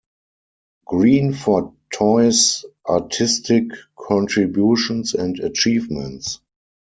Green for Toi's artistic contributions and achievements.